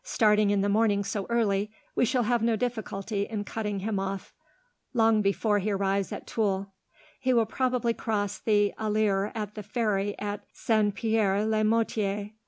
Starting in the morning so early, we shall have no difficulty in cutting him off long before he arrives at Tulle. He will probably cross the Alier at the ferry at Saint Pierre le Moutier.